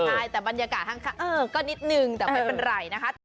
ใช่แต่บรรยากาศข้างก็นิดนึงแต่ไม่เป็นไรนะคะ